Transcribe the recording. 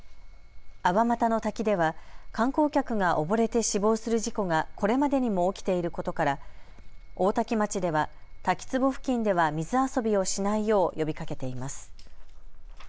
粟又の滝では観光客が溺れて死亡する事故がこれまでにも起きていることから大多喜町では滝つぼ付近では水遊びをしないよう呼びかけています。